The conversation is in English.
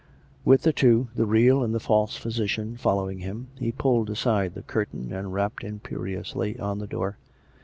With the two, the real and the false physician following him, he pulled aside the curtain and rapped imperiously on the door.